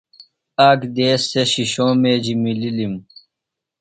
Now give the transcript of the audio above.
آک دیس سےۡ شِشو مجیۡ مِلِلم۔